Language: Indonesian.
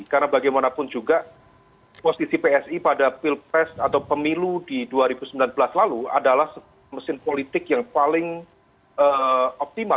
karena bagaimanapun juga posisi psi pada pilpres atau pemilu di dua ribu sembilan belas lalu adalah mesin politik yang paling optimal